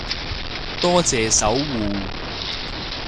多謝守護